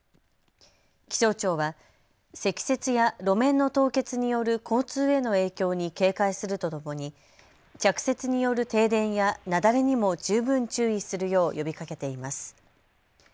気象庁は積雪や路面の凍結による交通への影響に警戒するとともに着雪による停電や雪崩にも十分注意するよう呼びかけています。